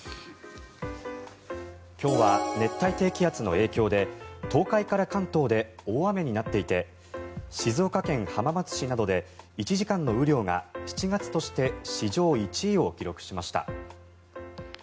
今日は熱帯低気圧の影響で東海から関東で大雨になっていて静岡県浜松市などで１時間の雨量が７月として史上１位を記録しました。